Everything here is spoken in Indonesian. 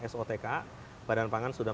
sotk badan pangan sudah